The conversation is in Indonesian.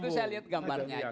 itu saya lihat gambarnya